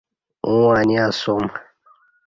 اوں انی اسوم۔